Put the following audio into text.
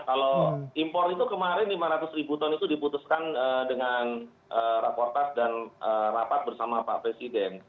kalau impor itu kemarin lima ratus ribu ton itu diputuskan dengan raportas dan rapat bersama pak presiden